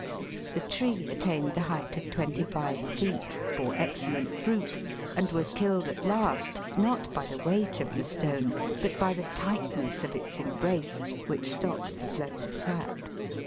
The tree attained the height of twenty five feet, bore excellent fruit, and was killed at last, not by the weight ot the stone, but by the tightness of its embrace, which stopped the flow of sap.